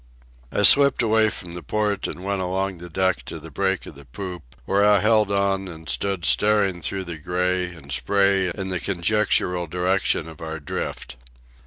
I slipped away from the port and went along the deck to the break of the poop, where I held on and stood staring through the gray and spray in the conjectural direction of our drift.